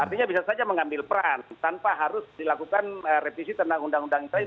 artinya bisa saja mengambil peran tanpa harus dilakukan revisi tentang undang undang ite